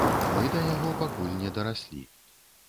Мы да яго пакуль не дараслі.